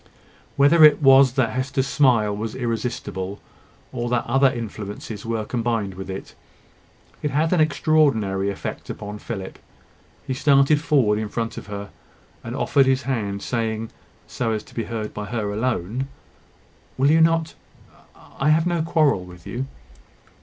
Whether it was that Hester's smile was irresistible, or that other influences were combined with it, it had an extraordinary effect upon Philip. He started forward in front of her, and offered his hand, saying, so as to be heard by her alone "Will you not? I have no quarrel with you."